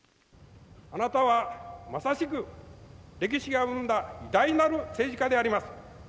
あなたはまさしく、歴史が生んだ偉大なる政治家であります。